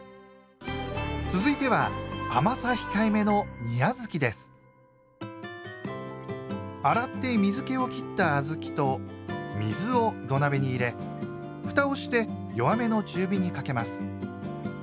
続いては甘さ控えめの洗って水けを切った小豆と水を土鍋に入れふたをして弱めの中火にかけます。